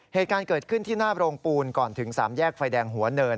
เหตุการณ์เกิดขึ้นที่หน้าโรงปูนก่อนถึง๓แยกไฟแดงหัวเนิน